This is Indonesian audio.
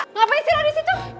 ngapain silah disitu